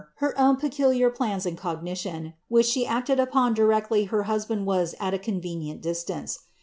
her own peculiar plans in cogitation, which she acted upon directly ha husband was at a convenient distance.